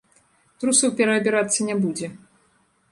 Трусаў пераабірацца не будзе.